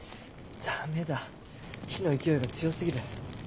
ダメだ火の勢いが強過ぎる。